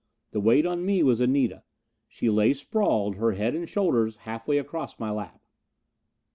The weight on me was Anita. She lay sprawled, her head and shoulders half way across my lap.